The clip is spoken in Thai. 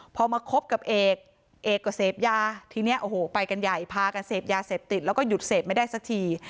พอมาคบกับเอกเอกก็เสพยาทีนี้โอ้โหไปกันใหญ่พากันเสพยาเสพติดแล้วก็หยุดเสพไม่ได้สักที